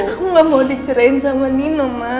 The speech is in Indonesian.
aku gak mau dicerain sama nino ma